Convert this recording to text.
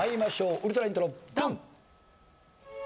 ウルトライントロドン！